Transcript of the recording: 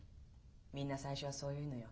みんな最初はそう言うのよ。